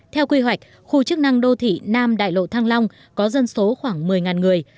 theo quy hoạch khu chức năng đô thị nam đại lộ thăng long có dân số khoảng một mươi người